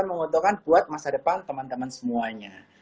menguntungkan buat masa depan teman teman semuanya